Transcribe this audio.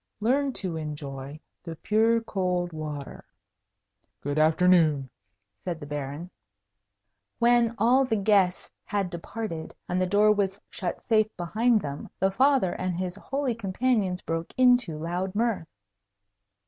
Learn to enjoy the pure cold water." "Good afternoon," said the Baron. When all the guests had departed and the door was shut safe behind them, the Father and his holy companions broke into loud mirth.